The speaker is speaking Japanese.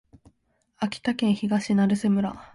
秋田県東成瀬村